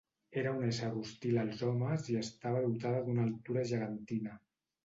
Era un ésser hostil als homes i estava dotada d'una altura gegantina.